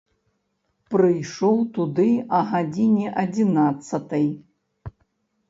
Прыйшоў туды а гадзіне адзінаццатай.